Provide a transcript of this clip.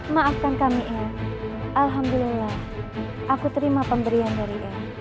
maafkan kami alhamdulillah aku terima pemberian dari